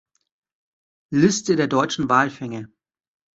Liste der deutschen Walfänger